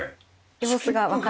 様子がわかる。